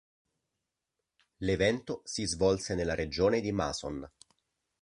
L'evento si svolse nella regione di Mason.